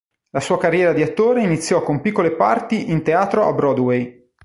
La sua carriera di attore Iniziò con piccole parti in teatro a Broadway.